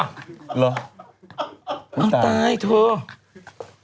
อ้าวหวัดด้ายเถอะ